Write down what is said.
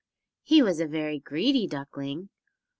He was a very greedy duckling.